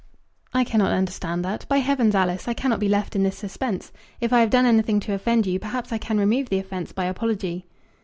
"I cannot understand that. By heavens, Alice, I cannot be left in this suspense! If I have done anything to offend you, perhaps I can remove the offence by apology."